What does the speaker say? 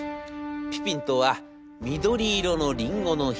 ピピンとは緑色のリンゴの品種。